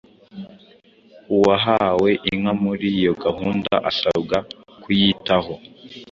Uhawe inka muri iyo gahunda asabwa kuyitaho